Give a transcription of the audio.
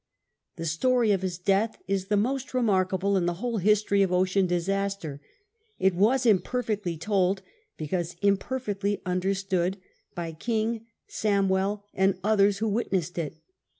The story of his death is the most remarkable in the whole history of ocean disaster. It was imperfectly told, )3ecause imperfectly understood, by King, Samwell, and others who witnessed it.